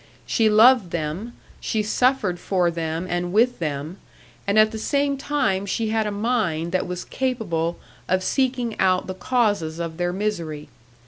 She loved them, she suffered for them and with them, and at the same time she had a mind that was capable of seeking out the causes of their misery.